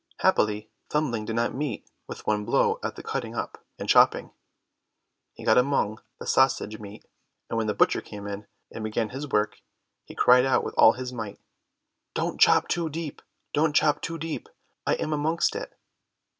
Happily Thumbling did not meet with one blow at the cutting up and chopping; he got among the sausage meat. And when the butcher came in and began his work, he cried out with all his might, "Don't chop too deep, don't chop too deep, I am amongst it."